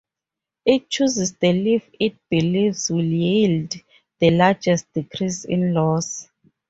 It chooses the leaf it believes will yield the largest decrease in loss.